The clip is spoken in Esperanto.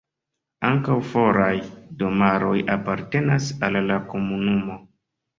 Ankaŭ foraj domaroj apartenas al la komunumo.